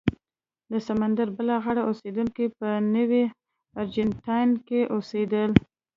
د سمندر بلې غاړې اوسېدونکي په نوي ارجنټاین کې اوسېدل.